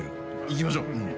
いきましょう。